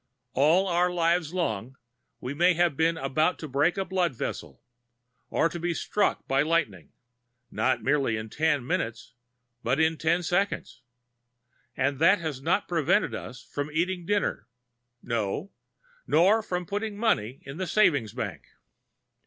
All our lives long, we may have been about to break a blood vessel or to be struck by lightning, not merely in ten minutes, but in ten seconds; and that has not prevented us from eating dinner, no, nor from putting money in the Savings Bank.